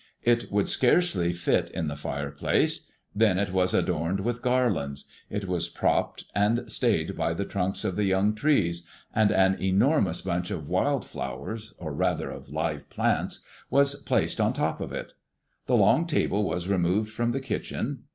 It would scarcely fit in the fireplace. Then it was adorned with garlands; it was propped and stayed by the trunks of young trees; and an enormous bunch of wild flowers, or rather of live plants, was placed on top of it. The long table was removed from the kitchen.